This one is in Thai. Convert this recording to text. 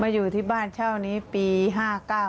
อยู่ที่บ้านเช่านี้ปี๕๙